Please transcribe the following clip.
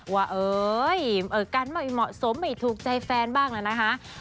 ว่าเอ้ยกันไม่เหมาะสมไม่ถูกใจแฟนบ้างแล้วนะคะ